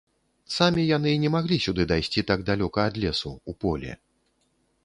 Самі яны не маглі сюды дайсці так далёка ад лесу, у поле.